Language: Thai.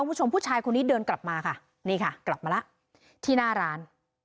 คุณผู้ชมผู้ชายคนนี้เดินกลับมาค่ะนี่ค่ะกลับมาแล้วที่หน้าร้าน